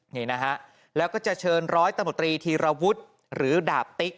นี่นะฮะแล้วก็จะเชิญร้อยตำรวจรีธีรวุฒิหรือดาบติ๊ก